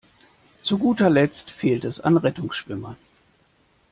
Zu guter Letzt fehlt es an Rettungsschwimmern.